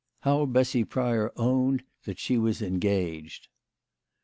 HOW BESSY PRYOE, OWNED THAT SHE WAS ENGAGED.